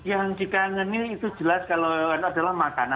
yang dikangenin itu jelas kalau yang ada adalah makanan ya